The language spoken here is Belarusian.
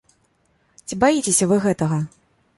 Ці баіцеся вы гэтага?